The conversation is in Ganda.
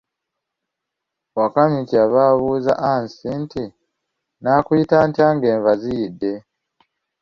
Wakamyu kye yava abuuza Aansi nti, nnaakuyita ntya ng'enva ziyidde?